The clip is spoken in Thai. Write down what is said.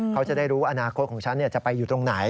เขาจะได้รู้อนาคตของฉันจะไปอยู่ตรงไหน